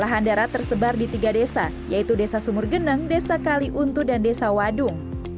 lahan darat tersebar di tiga desa yaitu desa sumur geneng desa kaliuntu dan desa wadung